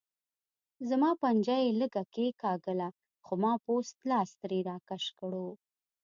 زما پنجه یې لږه کېګاږله خو ما پوست لاس ترې راکش کړو.